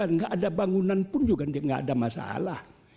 tidak ada bangunan pun juga tidak ada masalah